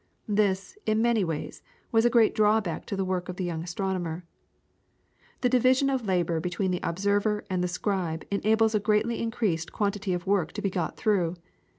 This, in many ways, was a great drawback to the work of the younger astronomer. The division of labour between the observer and the scribe enables a greatly increased quantity of work to be got through.